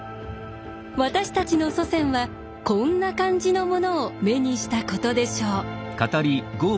私たちの祖先はこんな感じのものを目にしたことでしょう。